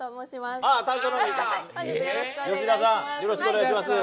本日よろしくお願いします